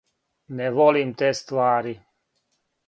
Не волим те ствари.